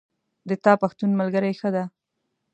د تا پښتون ملګری ښه ده